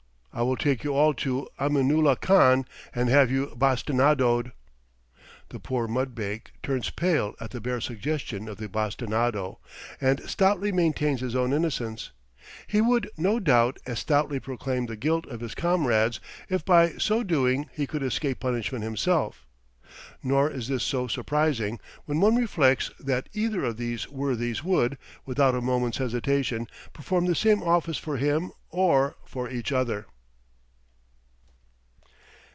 I will take you all to Aminulah Khan and have you bastinadoed!" The poor mudbake turns pale at the bare suggestion of the bastinado, and stoutly maintains his own innocence. He would no doubt as stoutly proclaim the guilt of his comrades if by so doing he could escape punishment himself. Nor is this so surprising, when one reflects that either of these worthies would, without a moment's hesitation, perform the same office for him or for each other.